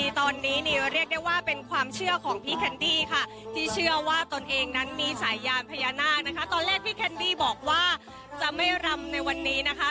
ตอนเล่นพี่แคนดี้บอกว่าจะไม่รำในวันนี้นะคะ